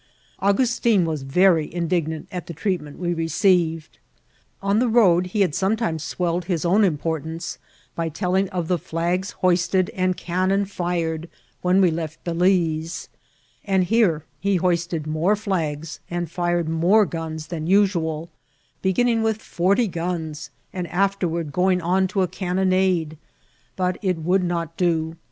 Augiffitin was very indignant at the treatment we receiyed ; on the road he had sometimes swelled his own importance by telling of the flags hoisted and cannon fired when we left Ba« lixe; and here he hoisted more flags and fired more guns than usual, beginning with fmrty guns, and after ward going on to a cannonade ; but it would not do.